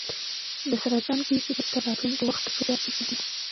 د سرطان پېښې به تر راتلونکي وخت پورې زیاتې شي.